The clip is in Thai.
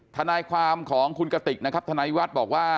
ทนายความของคุณกติกนะครับทนายวัฒน์บอกว่า